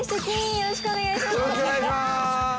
◆よろしくお願いします。